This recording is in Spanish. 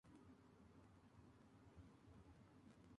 Por sus logros, la ciudad de Zürich lo reconoce con una estatua.